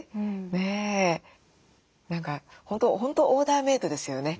ねえ何か本当オーダーメードですよね。